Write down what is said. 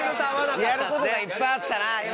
今やることがいっぱいあったな。